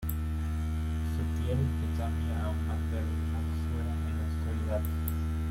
Su piel se cambia a un más verde más oscuro en la oscuridad.